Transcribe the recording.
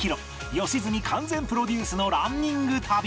良純完全プロデュースのランニング旅